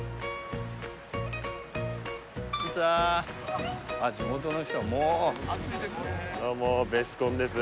いやねえあっ地元の人はもうどうもベスコンです